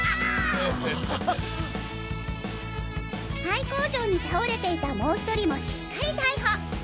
「廃工場に倒れていたもう１人もしっかり逮捕。